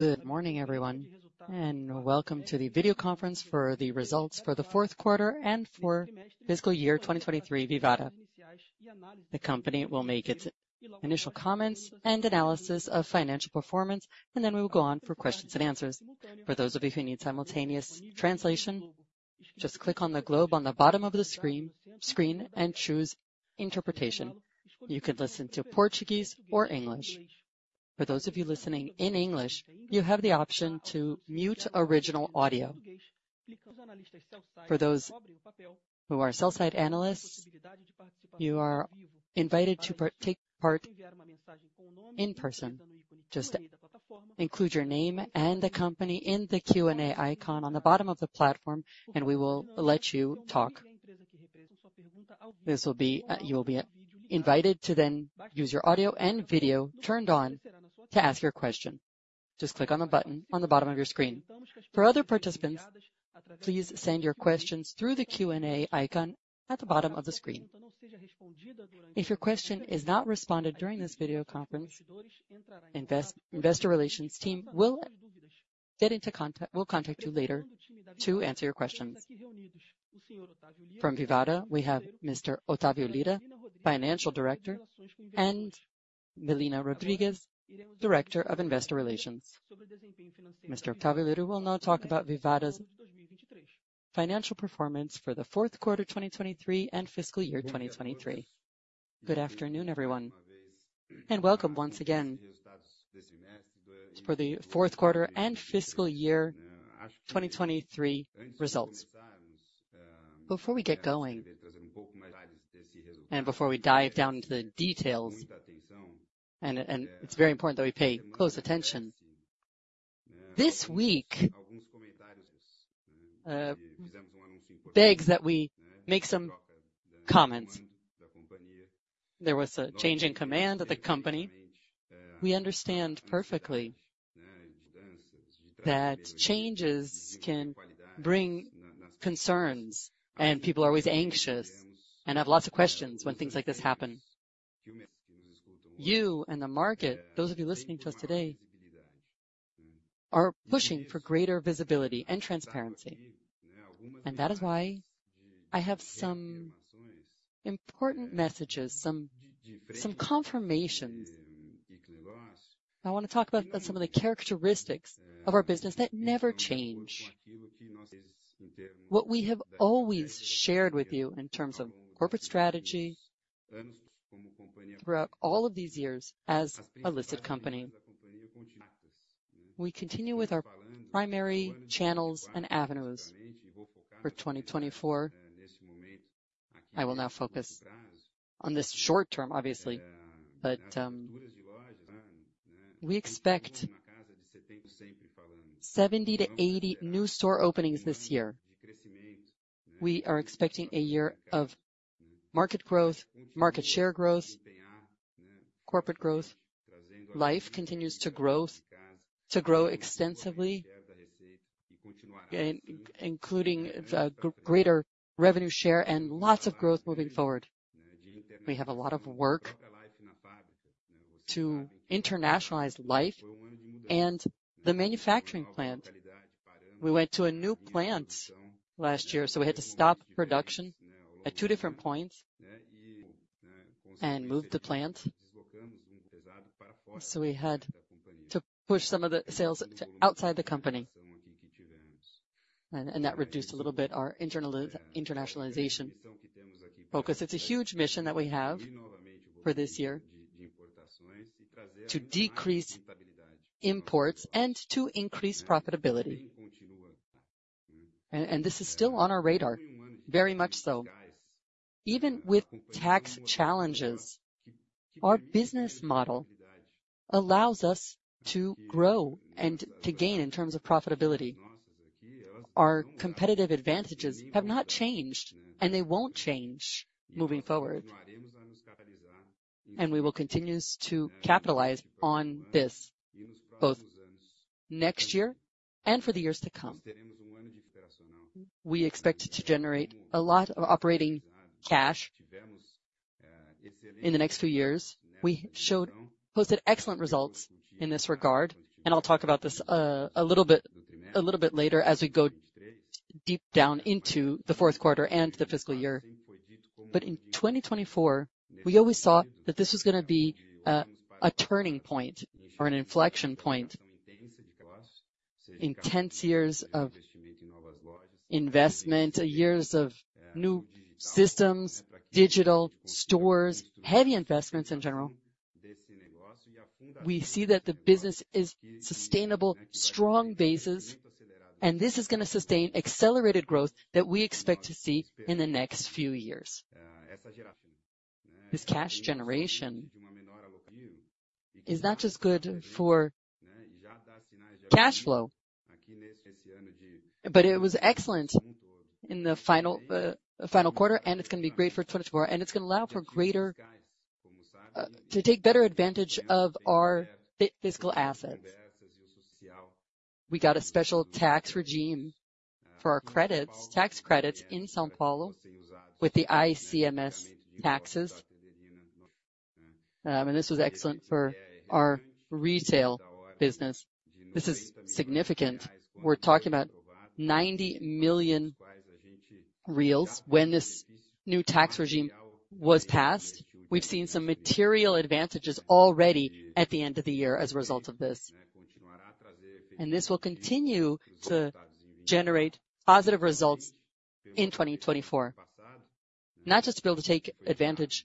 Good morning, everyone, and welcome to the video conference for the results for the fourth quarter and for fiscal year 2023, Vivara. The company will make its initial comments and analysis of financial performance, and then we will go on for questions and answers. For those of you who need simultaneous translation, just click on the globe on the bottom of the screen and choose Interpretation. You can listen to Portuguese or English. For those of you listening in English, you have the option to mute original audio. For those who are sell-side analysts, you are invited to take part in person. Just include your name and the company in the Q&A icon on the bottom of the platform, and we will let you talk. This will be, you will be invited to then use your audio and video turned on to ask your question. Just click on the button on the bottom of your screen. For other participants, please send your questions through the Q&A icon at the bottom of the screen. If your question is not responded to during this video conference, investor relations team will contact you later to answer your questions. From Vivara, we have Mr. Otávio Lyra, Financial Director, and Mellina Paiva, Director of Investor Relations. Mr. Otávio Lyra will now talk about Vivara's financial performance for the fourth quarter 2023 and fiscal year 2023. Good afternoon, everyone, and welcome once again for the fourth quarter and fiscal year 2023 results. Before we get going, and before we dive down into the details, it's very important that we pay close attention. This week begs that we make some comments. There was a change in command of the company. We understand perfectly that changes can bring concerns, and people are always anxious and have lots of questions when things like this happen. You and the market, those of you listening to us today, are pushing for greater visibility and transparency, and that is why I have some important messages, some, some confirmations. I wanna talk about, about some of the characteristics of our business that never change. What we have always shared with you in terms of corporate strategy throughout all of these years as a listed company. We continue with our primary channels and avenues for 2024. I will now focus on this short term, obviously, but we expect 70-80 new store openings this year. We are expecting a year of market growth, market share growth, corporate growth. Life continues to grow extensively, including the greater revenue share and lots of growth moving forward. We have a lot of work to internationalize Life and the manufacturing plant. We went to a new plant last year, so we had to stop production at two different points and move the plant. So, we had to push some of the sales to outside the company, and that reduced a little bit our internationalization focus. It's a huge mission that we have for this year, to decrease imports and to increase profitability. And this is still on our radar, very much so. Even with tax challenges, our business model allows us to grow and to gain in terms of profitability. Our competitive advantages have not changed, and they won't change moving forward. We will continue to capitalize on this, both next year and for the years to come. We expect to generate a lot of operating cash in the next few years. We showed, posted excellent results in this regard, and I'll talk about this, a little bit, a little bit later as we go deep down into the fourth quarter and the fiscal year. But in 2024, we always saw that this was gonna be a, a turning point or an inflection point. Intense years of investment, years of new systems, digital stores, heavy investments in general. We see that the business is sustainable, strong basis, and this is gonna sustain accelerated growth that we expect to see in the next few years. This cash generation is not just good for cash flow, but it was excellent in the final quarter, and it's gonna be great for 2024, and it's gonna allow for greater to take better advantage of our physical assets. We got a special tax regime for our credits, tax credits in São Paulo with the ICMS taxes. And this was excellent for our retail business. This is significant. We're talking about 90 million when this new tax regime was passed. We've seen some material advantages already at the end of the year as a result of this, and this will continue to generate positive results in 2024. Not just to be able to take advantage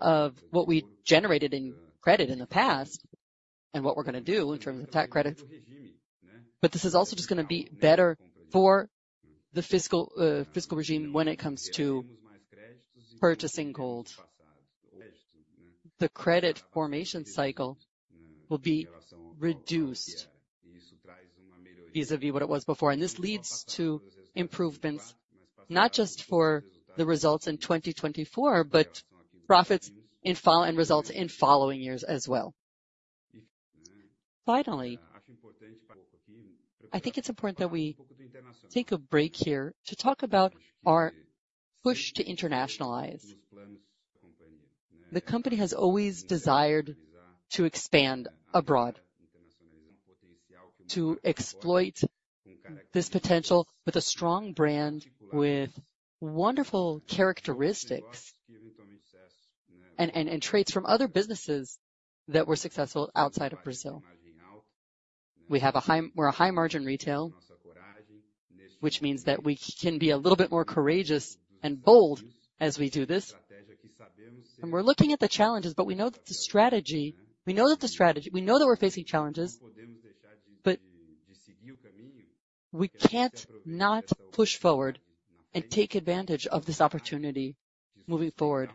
of what we generated in credit in the past, and what we're gonna do in terms of tax credit, but this is also just gonna be better for the fiscal regime when it comes to purchasing gold. The credit formation cycle will be reduced, vis-à-vis what it was before, and this leads to improvements, not just for the results in 2024, but profits in follow, and results in following years as well. Finally, I think it's important that we take a break here to talk about our push to internationalize. The company has always desired to expand abroad, to exploit this potential with a strong brand, with wonderful characteristics and traits from other businesses that were successful outside of Brazil. We're a high margin retail, which means that we can be a little bit more courageous and bolder as we do this. And we're looking at the challenges, but we know that we're facing challenges, but we can't not push forward and take advantage of this opportunity moving forward.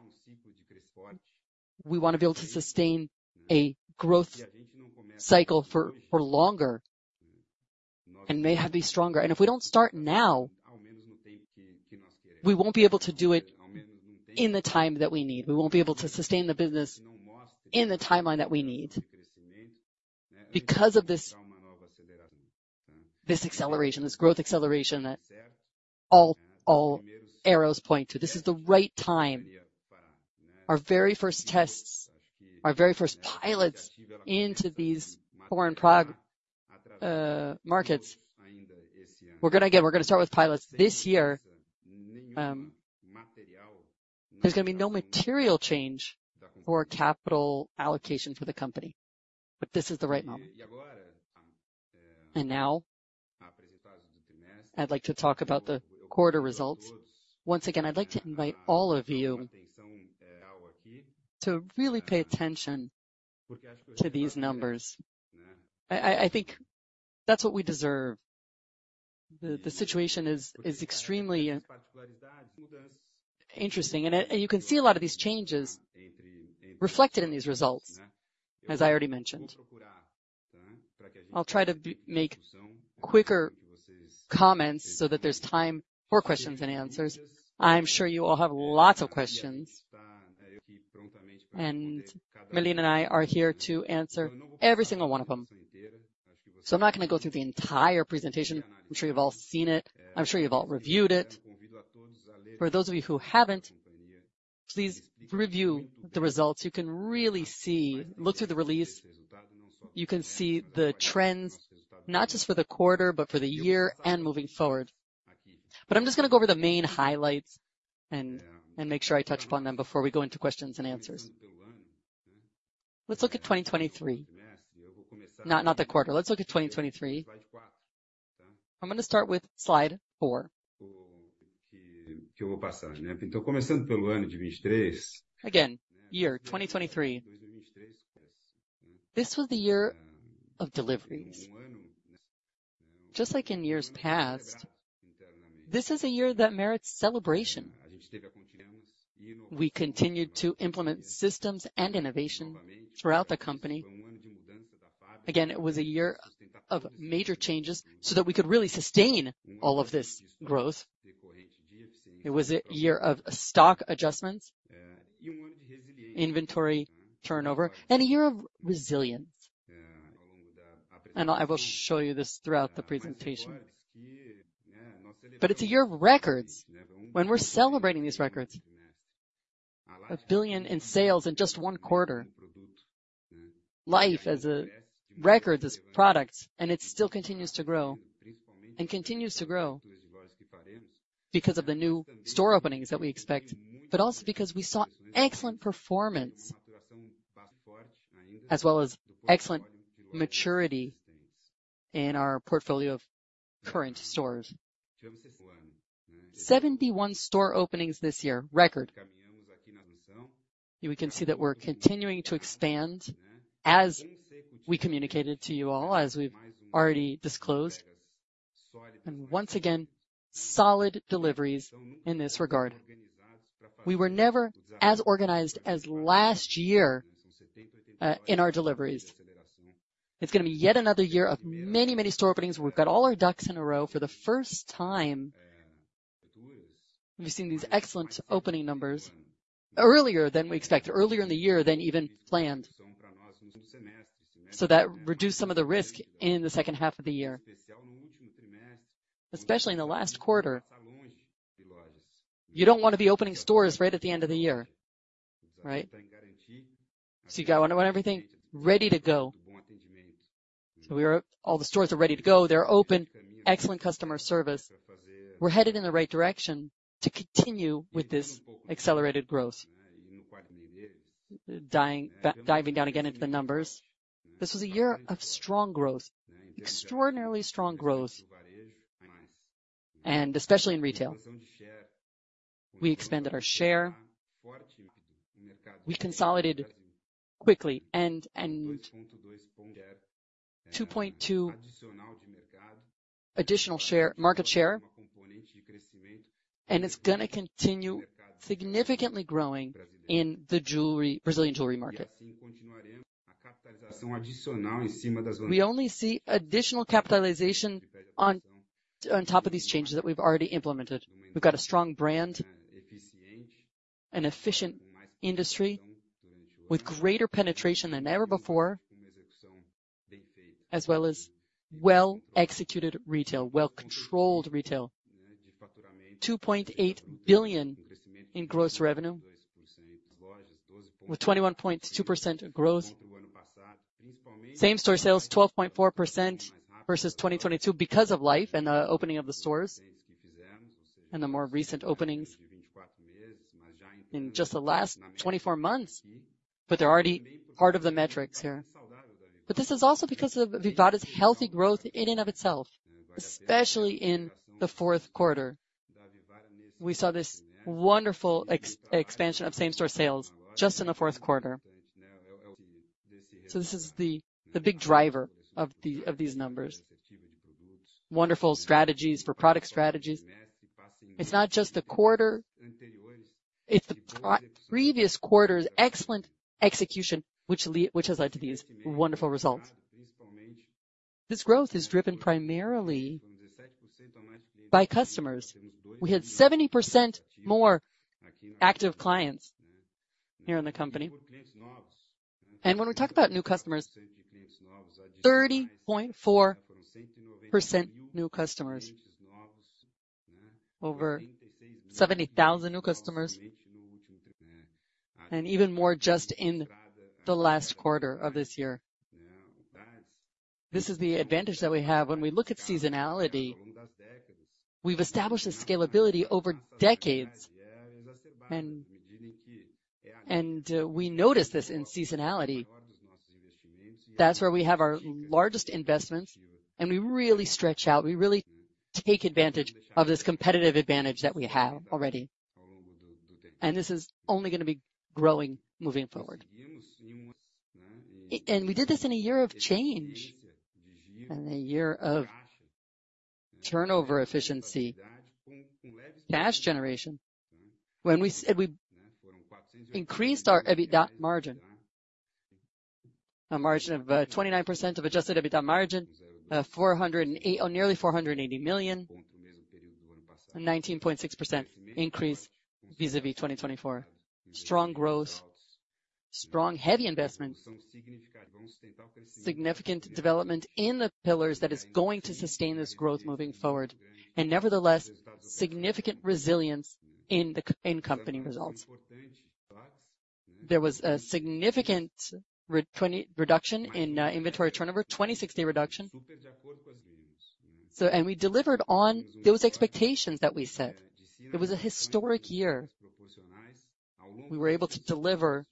We want to be able to sustain a growth cycle for longer, and maybe be stronger. And if we don't start now, we won't be able to do it in the time that we need. We won't be able to sustain the business in the timeline that we need. Because of this, this acceleration, this growth acceleration, that all arrows point to, this is the right time. Our very first tests, our very first pilots into these foreign markets. We're gonna, again, we're gonna start with pilots this year. There's gonna be no material change or capital allocations for the company, but this is the right moment. Now, I'd like to talk about the quarter results. Once again, I'd like to invite all of you to really pay attention to these numbers. I think that's what we deserve. The situation is extremely interesting, and you can see a lot of these changes reflected in these results, as I already mentioned. I'll try to make quicker comments so that there's time for questions and answers. I'm sure you all have lots of questions, and Mellina and I are here to answer every single one of them. I'm not gonna go through the entire presentation. I'm sure you've all seen it. I'm sure you've all reviewed it. For those of you who haven't, please review the results. You can really see... Look through the release, you can see the trends, not just for the quarter, but for the year and moving forward. I'm just gonna go over the main highlights and, and make sure I touch upon them before we go into questions and answers. Let's look at 2023. Not the quarter. Let's look at 2023. I'm gonna start with slide 4. Again, year 2023. This was the year of deliveries. Just like in years past, this is a year that merits celebration. We continued to implement systems and innovation throughout the company. Again, it was a year of major changes so that we could really sustain all of this growth. It was a year of stock adjustments, inventory turnover, and a year of resilience. I will show you this throughout the presentation. It's a year of records when we're celebrating these records. 1 billion in sales in just one quarter. Life as a record, as products, and it still continues to grow, and continues to grow because of the new store openings that we expect, but also because we saw excellent performance, as well as excellent maturity in our portfolio of current stores. 71 store openings this year, record. We can see that we're continuing to expand, as we communicated to you all, as we've already disclosed. Once again, solid deliveries in this regard. We were never as organized as last year in our deliveries. It's gonna be yet another year of many, many store openings. We've got all our ducks in a row for the first time. We've seen these excellent opening numbers earlier than we expected, earlier in the year than even planned. So, that reduced some of the risk in the second half of the year, especially in the last quarter. You don't want to be opening stores right at the end of the year, right? So, you got to want everything ready to go. So, we are—all the stores are ready to go. They're open, excellent customer service. We're headed in the right direction to continue with this accelerated growth. Diving down again into the numbers, this was a year of strong growth, extraordinarily strong growth, and especially in retail. We expanded our share, we consolidated quickly, and 2.2 additional share, market share, and it's gonna continue significantly growing in the jewelry, Brazilian jewelry market. We only see additional capitalization on top of these changes that we've already implemented. We've got a strong brand, an efficient industry, with greater penetration than ever before, as well as well-executed retail, well-controlled retail. 2.8 billion in gross revenue, with 21.2% growth. Same store sales, 12.4% versus 2022 because of Life and the opening of the stores and the more recent openings in just the last 24 months. But they're already part of the metrics here. But this is also because of Vivara's healthy growth in and of itself, especially in the fourth quarter. We saw this wonderful expansion of same-store sales just in the fourth quarter. So this is the big driver of these numbers. Wonderful strategies for product strategies. It's not just the quarter, it's the previous quarters, excellent execution, which has led to these wonderful results. This growth is driven primarily by customers. We had 70% more active clients here in the company. And when we talk about new customers, 30.4% new customers. Over 70,000 new customers, and even more just in the last quarter of this year. This is the advantage that we have. When we look at seasonality, we've established this scalability over decades, and, and, we notice this in seasonality. That's where we have our largest investments, and we really stretch out, we really take advantage of this competitive advantage that we have already. And this is only gonna be growing moving forward. And we did this in a year of change and a year of turnover efficiency, cash generation, when we said we increased our EBITDA margin. A margin of 29% of adjusted EBITDA margin, nearly 480 million, 19.6% increase vis-à-vis 2024. Strong growth, strong heavy investment, significant development in the pillars that is going to sustain this growth moving forward, and nevertheless, significant resilience in the company results. There was a significant reduction in inventory turnover, 26-day reduction. So, and we delivered on those expectations that we set. It was a historic year. We were able to deliver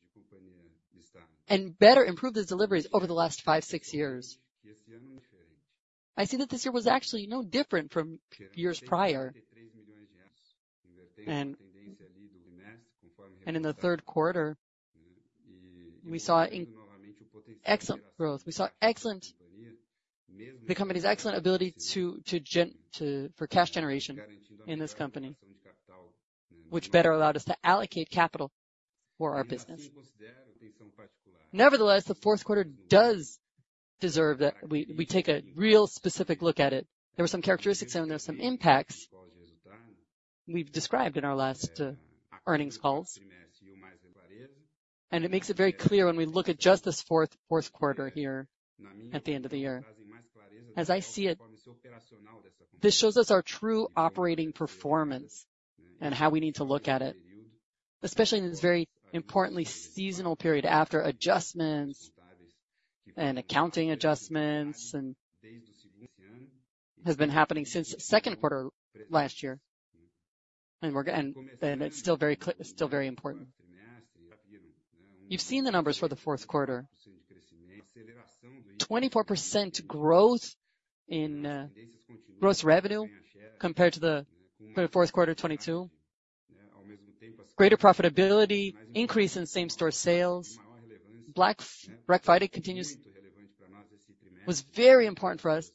and better improve those deliveries over the last five, six years. I see that this year was actually no different from years prior. In the third quarter, we saw an excellent growth. We saw the company's excellent ability to generate cash in this company, which better allowed us to allocate capital for our business. Nevertheless, the fourth quarter does deserve that we take a real specific look at it. There were some characteristics and there were some impacts we've described in our last earnings calls. It makes it very clear when we look at just this fourth quarter here at the end of the year. As I see it, this shows us our true operating performance and how we need to look at it, especially in this very important seasonal period, after adjustments and accounting adjustments, and has been happening since the second quarter last year, and it's still very clear, still very important. You've seen the numbers for the fourth quarter. 24% growth in gross revenue compared to the fourth quarter of 2022. Greater profitability, increase in same store sales. Black Friday continues, was very important for us.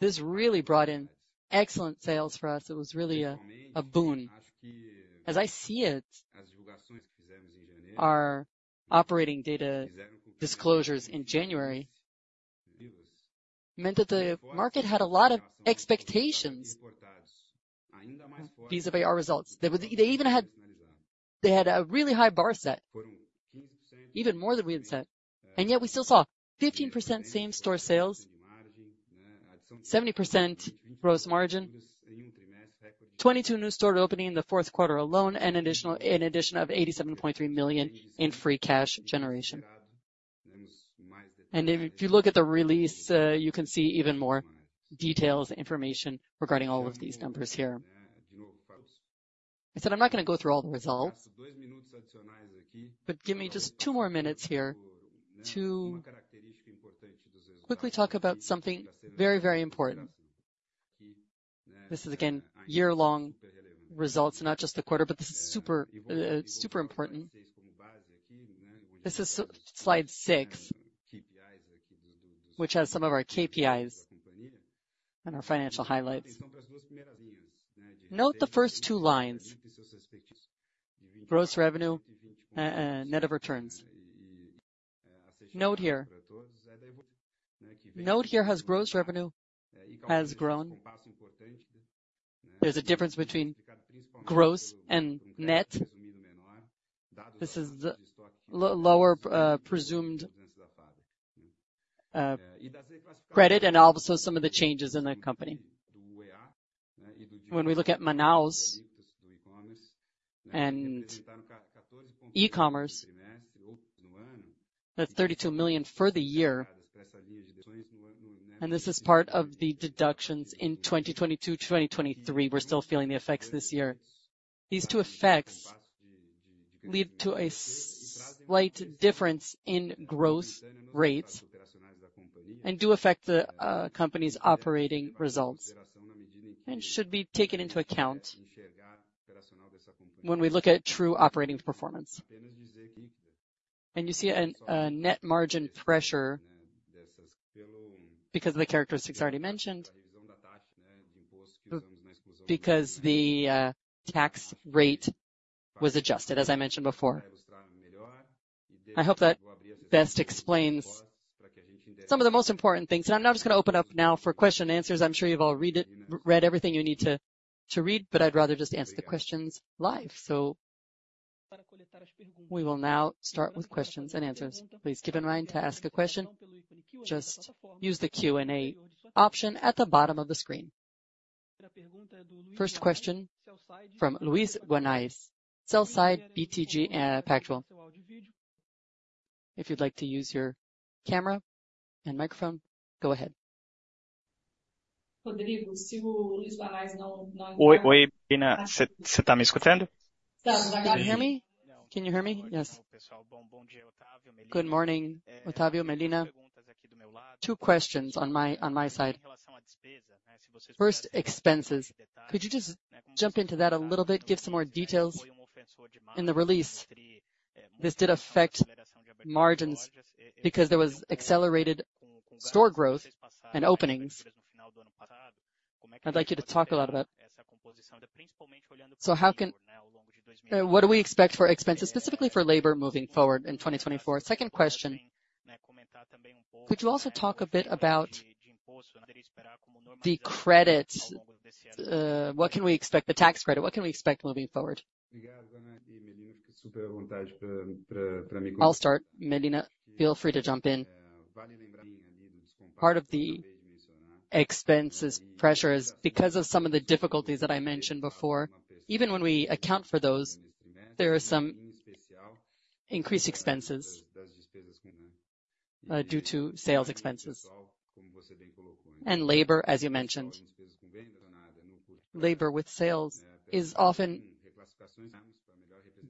This really brought in excellent sales for us. It was really a boon. As I see it, our operating data disclosures in January meant that the market had a lot of expectations vis-à-vis our results. They were, they even had. They had a really high bar set. Even more than we had said, and yet we still saw 15% same store sales, 70% gross margin, 22 new store openings in the fourth quarter alone, and an addition of 87.3 million in free cash generation. And if you look at the release, you can see even more details, information regarding all of these numbers here. I said I'm not gonna go through all the results, but give me just two more minutes here to quickly talk about something very, very important. This is, again, year-long results, not just the quarter, but this is super, super important. This is slide six, which has some of our KPIs and our financial highlights. Note the first two lines, gross revenue, net of returns. Note here, note here how gross revenue has grown. There's a difference between gross and net. This is the lower presumed credit, and also some of the changes in the company. When we look at Manaus and e-commerce, that's 32 million for the year, and this is part of the deductions in 2022, 2023. We're still feeling the effects this year. These two effects lead to a slight difference in growth rates, and do affect the company's operating results, and should be taken into account when we look at true operating performance. You see a net margin pressure because of the characteristics already mentioned, because the tax rate was adjusted, as I mentioned before. I hope that best explains some of the most important things. I'm now just gonna open up now for question and answers. I'm sure you've all read it, read everything you need to read, but I'd rather just answer the questions live. We will now start with questions and answers. Please keep in mind to ask a question, just use the Q&A option at the bottom of the screen. First question from Luiz Guanais, sell-side, BTG Pactual. If you'd like to use your camera and microphone, go ahead. Can you hear me? Can you hear me? Yes. Good morning, Otávio, Mellina. Two questions on my side. First, expenses. Could you just jump into that a little bit, give some more details? In the release, this did affect margins because there was accelerated store growth and openings. I'd like you to talk a lot about what do we expect for expenses, specifically for labor, moving forward in 2024? Second question: could you also talk a bit about the credit, what can we expect, the tax credit, what can we expect moving forward? I'll start. Mellina, feel free to jump in. Part of the expenses pressure is because of some of the difficulties that I mentioned before. Even when we account for those, there are some increased expenses due to sales expenses. Labor, as you mentioned, labor with sales, is often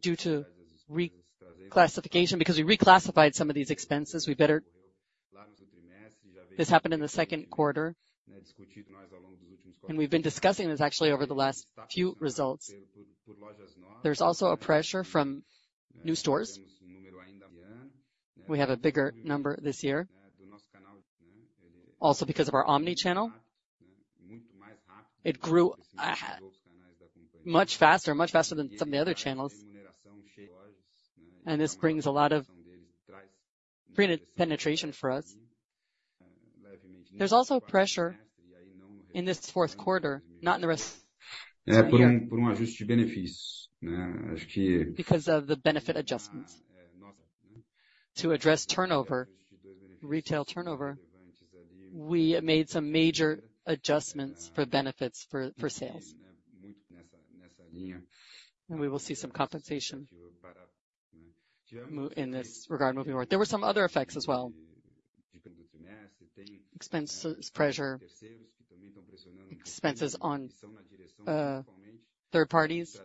due to reclassification, because we reclassified some of these expenses. This happened in the second quarter, and we've been discussing this actually over the last few results. There's also a pressure from new stores. We have a bigger number this year, also because of our omni-channel. It grew much faster, much faster than some of the other channels, and this brings a lot of greater penetration for us. There's also pressure in this fourth quarter, not in the rest, because of the benefit adjustments. To address turnover, retail turnover, we made some major adjustments for benefits for sales, and we will see some compensation mo- in this regard moving forward. There were some other effects as well. Expense pressure, expenses on third parties,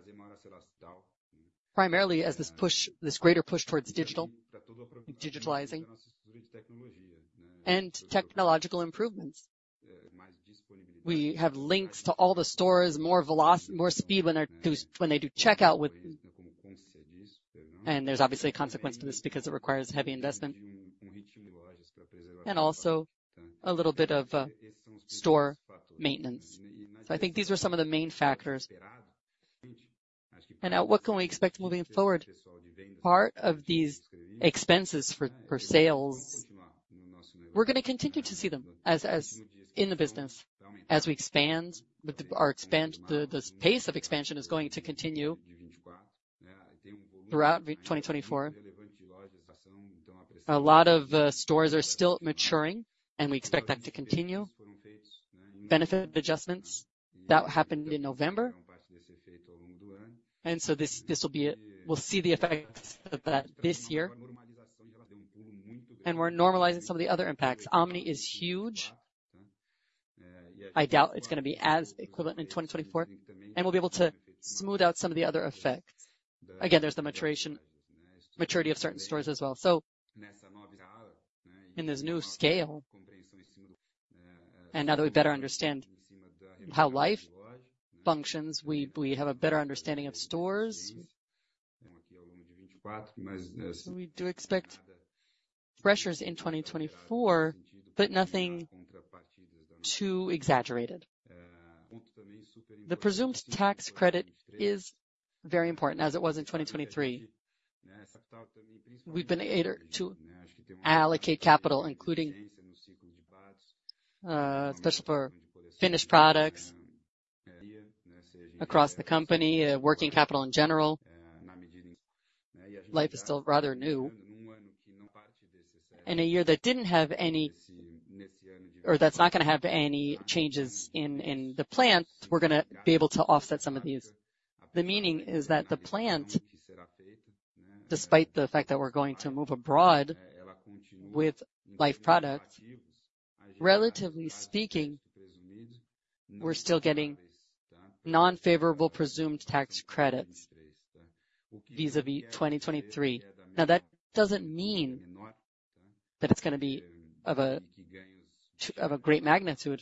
primarily as this push, this greater push towards digital, digitalizing and technological improvements. We have links to all the stores, more speed when they do checkout with... And there's obviously a consequence to this because it requires heavy investment, and also a little bit of store maintenance. So, I think these are some of the main factors. And now, what can we expect moving forward? Part of these expenses for sales... We're gonna continue to see them as in the business. As we expand, with our expansion, the pace of expansion is going to continue throughout 2024. A lot of stores are still maturing, and we expect that to continue. Benefit adjustments that happened in November, and so this will be it. We'll see the effects of that this year, and we're normalizing some of the other impacts. Omni is huge. I doubt it's gonna be as equivalent in 2024, and we'll be able to smooth out some of the other ebffects. Again, there's the maturation, maturity of certain stores as well. So, in this new scale, and now that we better understand how Life functions, we have a better understanding of stores. We do expect pressures in 2024, but nothing too exaggerated. The presumed tax credit is very important, as it was in 2023. We've been able to allocate capital, including, especially for finished products across the company, working capital in general. Life is still rather new. In a year that didn't have any, or that's not gonna have any changes in the plant, we're gonna be able to offset some of these. The meaning is that the plant, despite the fact that we're going to move abroad with Life product, relatively speaking, we're still getting non-favorable presumed tax credits vis-à-vis 2023. Now that doesn't mean that it's gonna be of a great magnitude,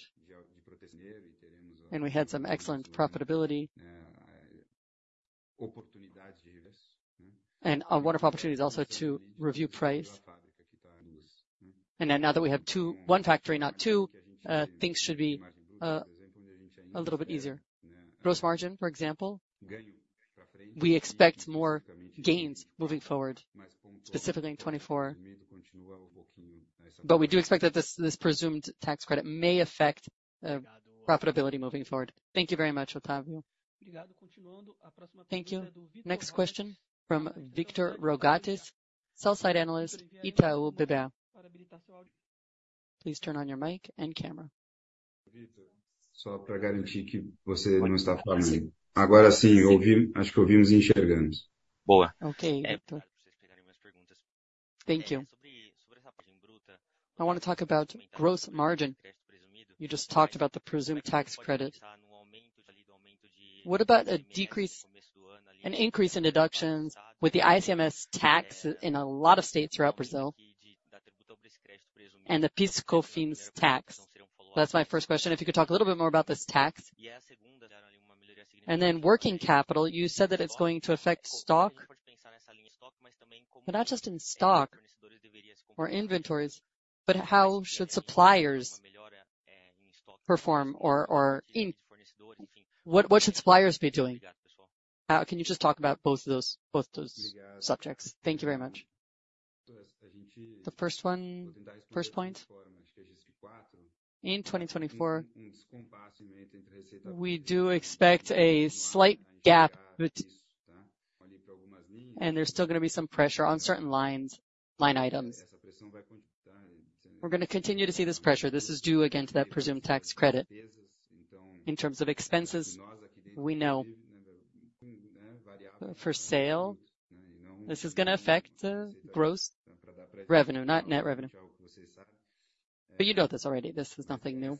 and we had some excellent profitability. A wonderful opportunity is also to review price. Now that we have one factory not two, things should be a little bit easier. Gross margin, for example, we expect more gains moving forward, specifically in 2024. But we do expect that this presumed tax credit may affect profitability moving forward. Thank you very much, Otávio. Thank you. Next question from Victor Rogatis, sell-side analyst, Itaú BBA. Please turn on your mic and camera. So, I guarantee you. Okay, Victor. Thank you. I want to talk about gross margin. You just talked about the Presumed Tax Credit. What about a decrease, an increase in deductions with the ICMS tax in a lot of states throughout Brazil, and the PIS/COFINS tax? That's my first question. If you could talk a little bit more about this tax. And then working capital, you said that it's going to affect stock, but not just in stock or inventories, but how should suppliers perform, or in... What should suppliers be doing? Can you just talk about both of those, both those subjects? Thank you very much. The first one, in 2024, we do expect a slight gap, and there's still gonna be some pressure on certain lines, line items. We're gonna continue to see this pressure. This is due, again, to that presumed tax credit. In terms of expenses, we know. For sale, this is gonna affect gross revenue, not net revenue. But you know this already. This is nothing new.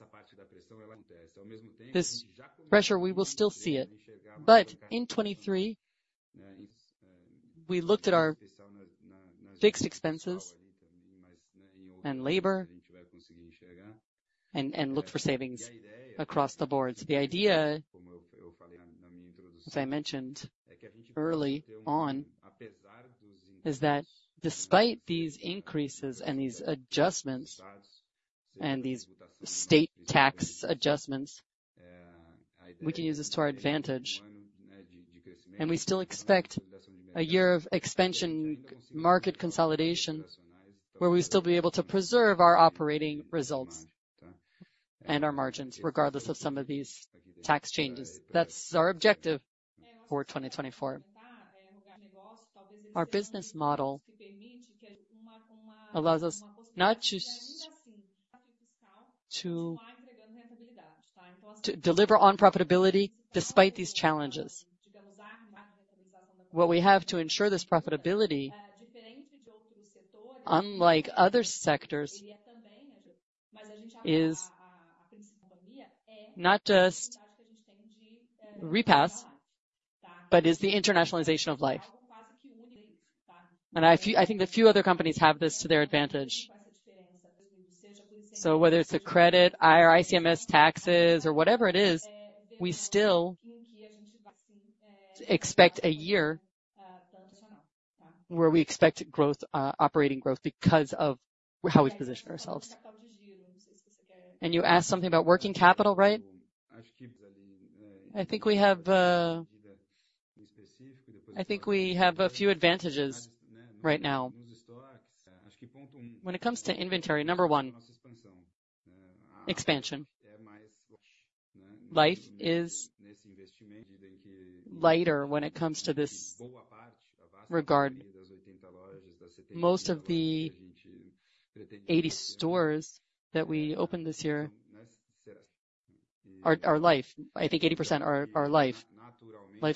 This pressure, we will still see it, but in 2023, we looked at our fixed expenses and labor and looked for savings across the boards. The idea, as I mentioned early on, is that despite these increases and these adjustments and these state tax adjustments, we can use this to our advantage. And we still expect a year of expansion, market consolidation, where we still be able to preserve our operating results and our margins, regardless of some of these tax changes. That's our objective for 2024. Our business model allows us not just to deliver on profitability despite these challenges. What we have to ensure this profitability, unlike other sectors, is not just repass, but is the internationalization of Life. I think that few other companies have this to their advantage. So whether it's a credit, IR, ICMS taxes, or whatever it is, we still expect a year where we expect growth, operating growth, because of how we position ourselves. And you asked something about working capital, right? I think we have a few advantages right now. When it comes to inventory, number 1, expansion. Life is lighter when it comes to this regard. Most of the 80 stores that we opened this year are Life. I think 80% are Life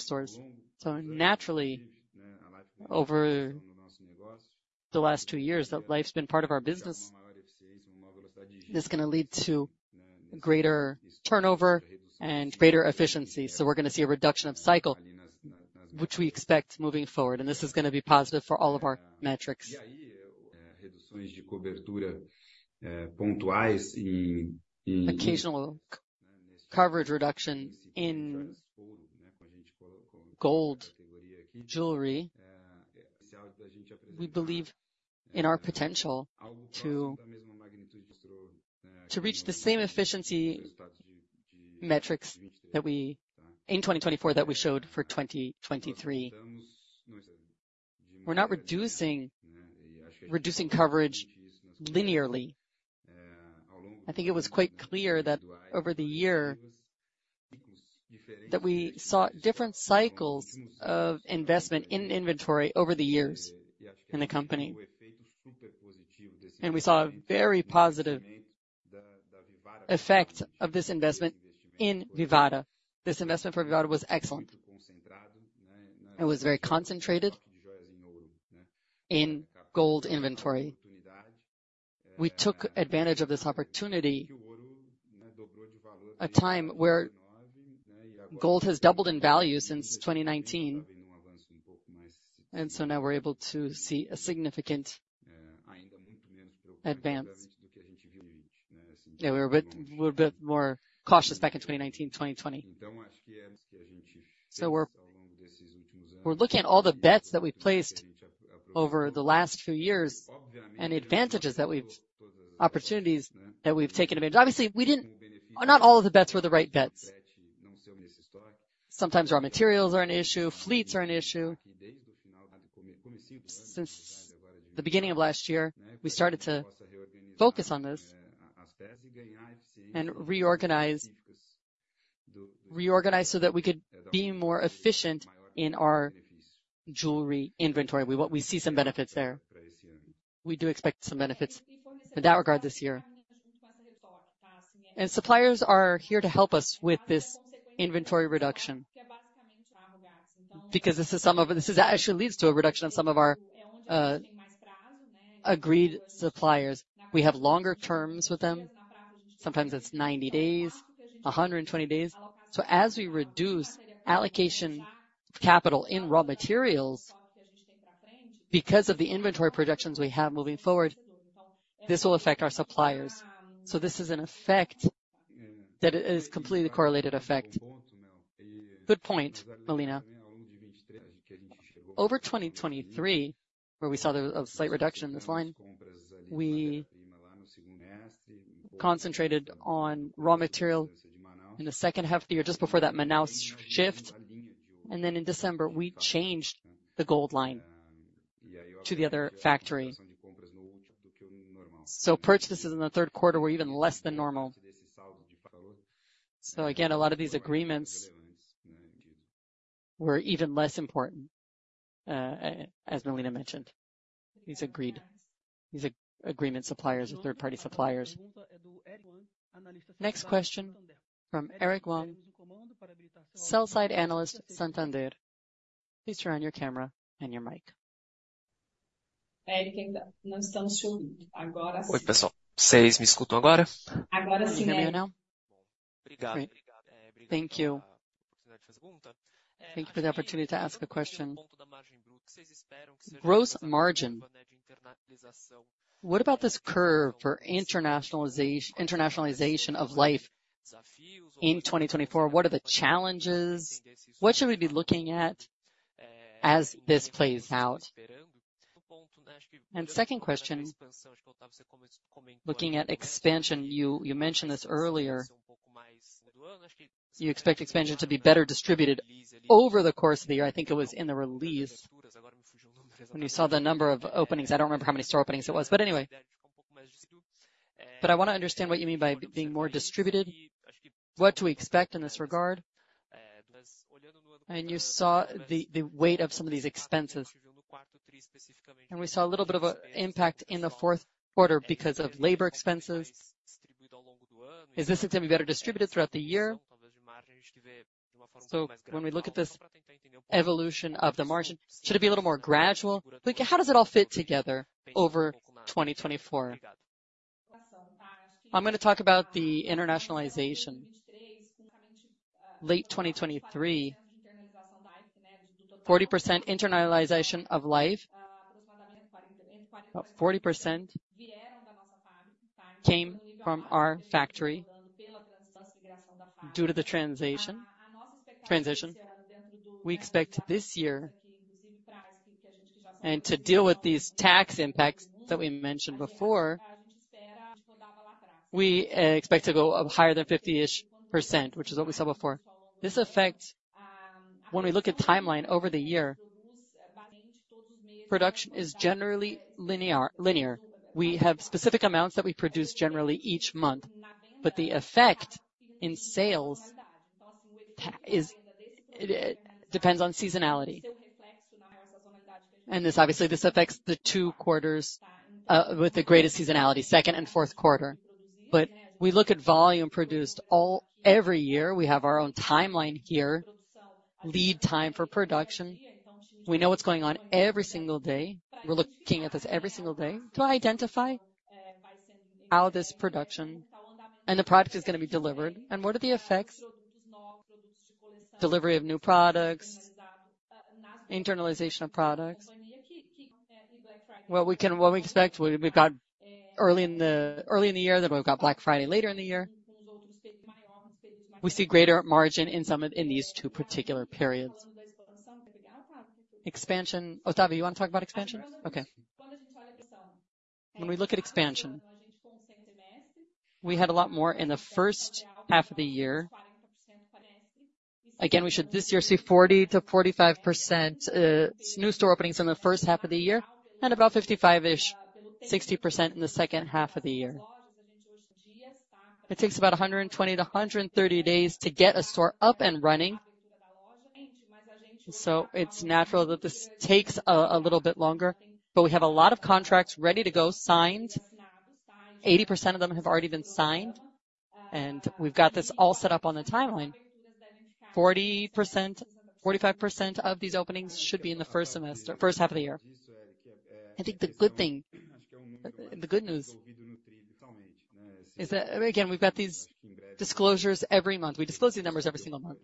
stores. So naturally, over the last 2 years, that Life's been part of our business, this is gonna lead to greater turnover and greater efficiency. So, we're gonna see a reduction of cycle, which we expect moving forward, and this is gonna be positive for all of our metrics. Occasional coverage reduction in gold jewelry; we believe in our potential to reach the same efficiency metrics that we in 2024 that we showed for 2023. We're not reducing, reducing coverage linearly. I think it was quite clear that over the year, that we saw different cycles of investment in inventory over the years in the company. And we saw a very positive effect of this investment in Vivara. This investment for Vivara was excellent. It was very concentrated in gold inventory. We took advantage of this opportunity, a time where gold has doubled in value since 2019, and so now we're able to see a significant advance. Yeah, we were a bit, a little bit more cautious back in 2019, 2020. So we're, we're looking at all the bets that we placed over the last few years and the advantages that we've, opportunities that we've taken advantage. Obviously, we didn't... not all of the bets were the right bets. Sometimes raw materials are an issue, fleets are an issue. Since the beginning of last year, we started to focus on this and reorganize, reorganize so that we could be more efficient in our jewelry inventory. We see some benefits there. We do expect some benefits in that regard this year. And suppliers are here to help us with this inventory reduction. Because this is some of it, this actually leads to a reduction of some of our agreed suppliers. We have longer terms with them, sometimes it's 90 days, 120 days. So as we reduce allocation capital in raw materials, because of the inventory projections we have moving forward, this will affect our suppliers. So, this is an effect that is completely correlated effect. Good point, Mellina. Over 2023, where we saw a slight reduction in this line, we concentrated on raw material in the second half of the year, just before that Manaus shift. And then in December, we changed the gold line to the other factory. So, purchases in the third quarter were even less than normal. So again, a lot of these agreements were even less important, as Mellina mentioned, these agreement suppliers are third-party suppliers. Next question from Eric Huang, sell-side analyst, Santander. Please turn on your camera and your mic. Oi, pessoal. Vocês me escutam agora? Can you hear me now? Great. Thank you. Thank you for the opportunity to ask a question. Gross margin, what about this curve for internationalization of Life in 2024? What are the challenges? What should we be looking at as this plays out? And second question, looking at expansion, you mentioned this earlier, you expect expansion to be better distributed over the course of the year. I think it was in the release when you saw the number of openings. I don't remember how many store openings it was, but anyway. But I wanna understand what you mean by being more distributed. What do we expect in this regard? And you saw the weight of some of these expenses, and we saw a little bit of an impact in the fourth quarter because of labor expenses. Is this going to be better distributed throughout the year? So, when we look at this evolution of the margin, should it be a little more gradual? Like, how does it all fit together over 2024? I'm gonna talk about the internationalization. Late 2023, 40% internationalization of Life, 40% came from our factory due to the transition. We expect this year, and to deal with these tax impacts that we mentioned before. We expect to go up higher than 50-ish%, which is what we said before. This effect, when we look at timeline over the year, production is generally linear. We have specific amounts that we produce generally each month, but the effect in sales is, it depends on seasonality. And this, obviously, this affects the two quarters with the greatest seasonality, second and fourth quarter. But we look at volume produced every year. We have our own timeline here, lead time for production. We know what's going on every single day. We're looking at this every single day to identify how this production and the product is gonna be delivered, and what are the effects, delivery of new products, internalization of products. Well, what we expect, we've got early in the year, then we've got Black Friday later in the year. We see greater margin in some of these two particular periods. Expansion. Otávio, you want to talk about expansion? Okay. When we look at expansion, we had a lot more in the first half of the year. Again, we should this year see 40%-45% new store openings in the first half of the year, and about 55-ish-60% in the second half of the year. It takes about 120-130 days to get a store up and running, so it's natural that this takes a little bit longer. But we have a lot of contracts ready to go, signed. 80% of them have already been signed, and we've got this all set up on the timeline. 40%-45% of these openings should be in the first semester, first half of the year. I think the good thing, the good news is that, again, we've got these disclosures every month. We disclose these numbers every single month.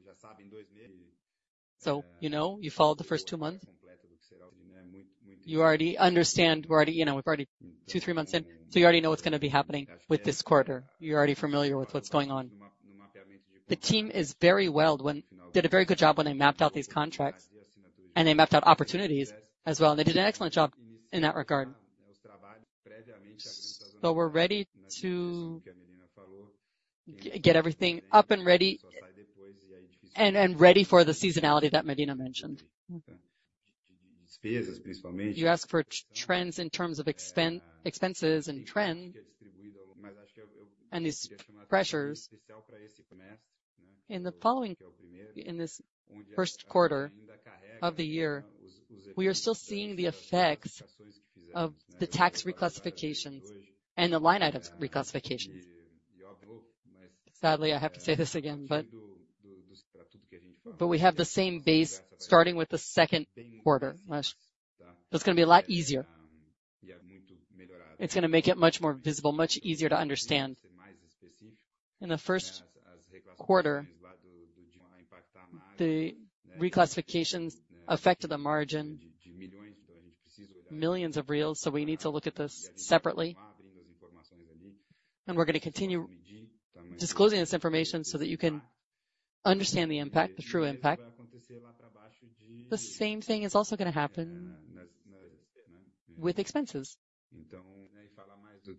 So you know, you followed the first two months. You already understand, we're already, you know, we're already two, three months in, so you already know what's gonna be happening with this quarter. You're already familiar with what's going on. The team is very well when... Did a very good job when they mapped out these contracts, and they mapped out opportunities as well, and they did an excellent job in that regard. So, we're ready to get everything up and ready, and, and ready for the seasonality that Mellina mentioned. You asked for trends in terms of expenses and trend, and these pressures. In the following, in this first quarter of the year, we are still seeing the effects of the tax reclassifications and the line item reclassifications. Sadly, I have to say this again, but, but we have the same base starting with the second quarter. It's gonna be a lot easier. It's gonna make it much more visible, much easier to understand. In the first quarter, the reclassifications affected the margin, millions, so we need to look at this separately. And we're gonna continue disclosing this information so that you can understand the impact, the true impact. The same thing is also gonna happen with expenses. So,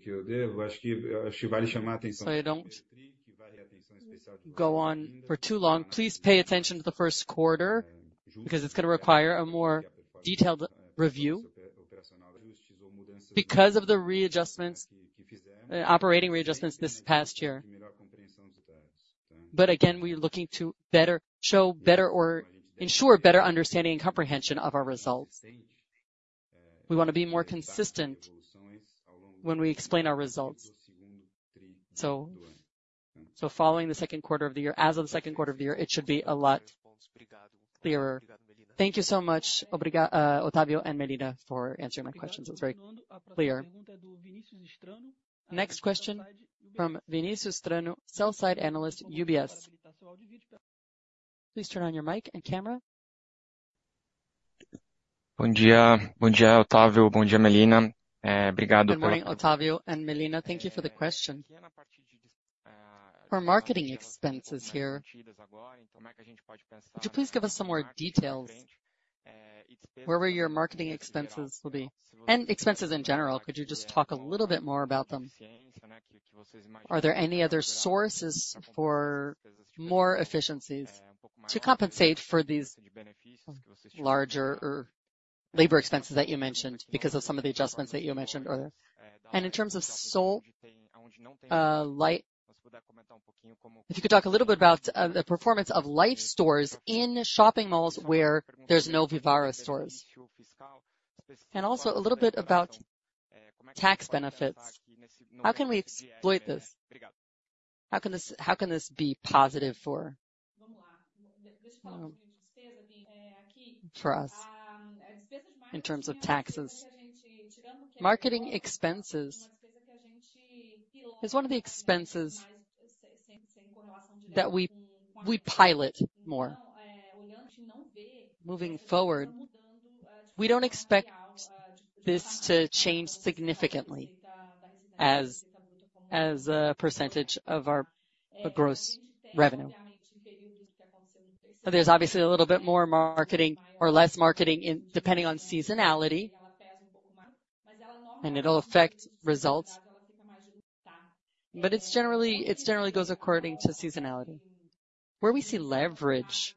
I don't go on for too long. Please pay attention to the first quarter, because it's gonna require a more detailed review because of the readjustments, operating readjustments this past year. But again, we're looking to ensure better understanding and comprehension of our results. We want to be more consistent when we explain our results. So, following the second quarter of the year, as of the second quarter of the year, it should be a lot clearer. Thank you so much, obrigada, Otávio and Mellina, for answering my questions. It's very clear. Next question from Vinicius Strano, sell-side analyst, UBS. Please turn on your mic and camera. Good day. Good day, Otavio. Good day, Mellina. Good morning, Otavio and Mellina. Thank you for the question. Our marketing expenses here, could you please give us some more details? Where were your marketing expenses will be? And expenses in general, could you just talk a little bit more about them? Are there any other sources for more efficiencies to compensate for these larger or labor expenses that you mentioned because of some of the adjustments that you mentioned earlier? And in terms of Life, if you could talk a little bit about the performance of Life stores in shopping malls where there's no Vivara stores. And also a little bit about tax benefits. How can we exploit this? How can this, how can this be positive for us in terms of taxes? Marketing expenses is one of the expenses that we pilot more. Moving forward, we don't expect this to change significantly as a percentage of our gross revenue. But there's obviously a little bit more marketing or less marketing in, depending on seasonality, and it'll affect results. But it's generally, it generally goes according to seasonality. Where we see leverage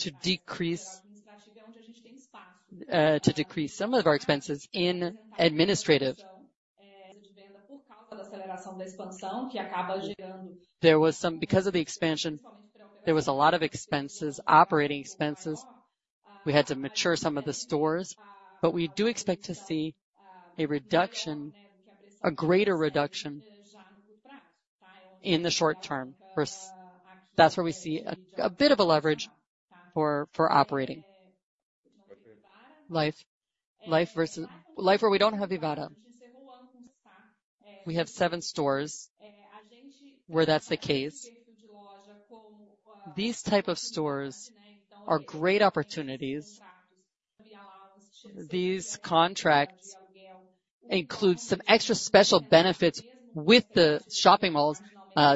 to decrease to decrease some of our expenses in administrative. There was some because of the expansion, there was a lot of expenses, operating expenses. We had to mature some of the stores, but we do expect to see a reduction, a greater reduction, in the short term, that's where we see a bit of a leverage for operating. Life versus Life where we don't have Vivara. We have seven stores where that's the case. These type of stores are great opportunities. These contracts include some extra special benefits with the shopping malls.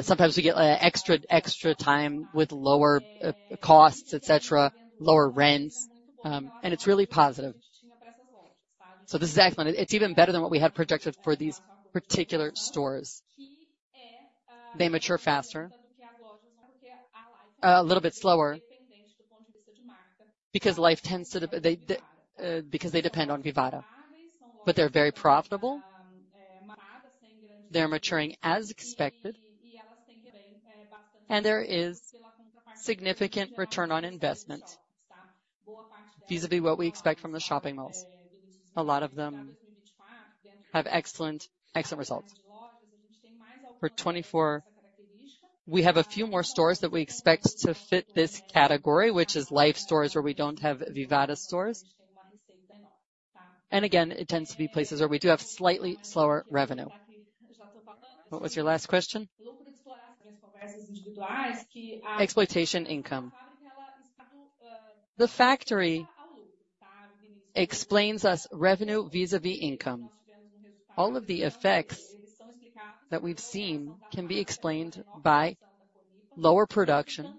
Sometimes we get extra, extra time with lower costs, et cetera, lower rents, and it's really positive. So this is excellent. It's even better than what we had projected for these particular stores. They mature faster. A little bit slower, because Life tends to they, they, because they depend on Vivara, but they're very profitable, they're maturing as expected, and there is significant return on investment vis-à-vis what we expect from the shopping malls. A lot of them have excellent, excellent results. For 2024, we have a few more stores that we expect to fit this category, which is Life stores, where we don't have Vivara stores. And again, it tends to be places where we do have slightly slower revenue. What was your last question? Exploitation income. The factory explains us revenue vis-à-vis income. All of the effects that we've seen can be explained by lower production,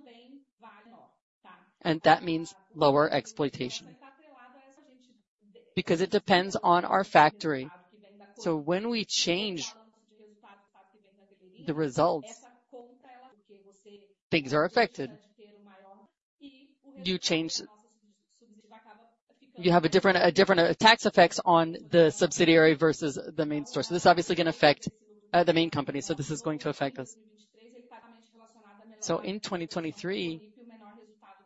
and that means lower exploitation, because it depends on our factory. So, when we change the results, things are affected. You have a different tax effects on the subsidiary versus the main store. So, this is obviously gonna affect the main company, so this is going to affect us. So, in 2023,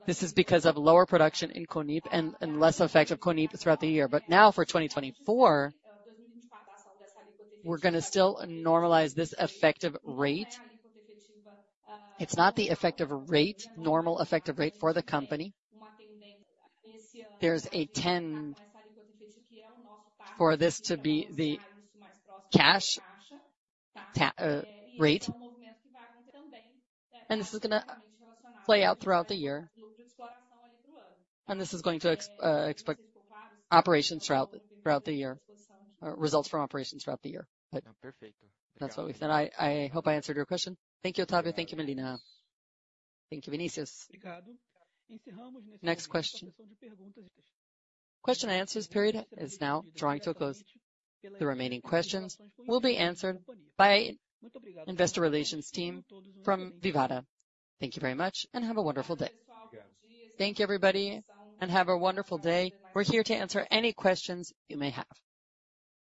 this is because of lower production in Conip and less effect of Conip throughout the year. But now for 2024, we're gonna still normalize this effective rate. It's not the effective rate, normal effective rate for the company. There's a 10 for this to be the cash rate, and this is gonna play out throughout the year. This is going to expect operations throughout the year, results from operations throughout the year. Perfect. That's what we said. I hope I answered your question. Thank you, Otávio. Thank you, Mellina. Thank you, Victor. Next question. Question and answers period is now drawing to a close. The remaining questions will be answered by Investor Relations team from Vivara. Thank you very much, and have a wonderful day. Thank you, everybody, and have a wonderful day. We're here to answer any questions you may have.